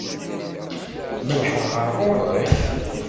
Mellḥeɣ ɣer ɣur-k?